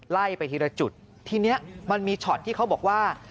ไล่ไปทีละจุดทีนี้มันมีช็อตที่เขาบอกว่า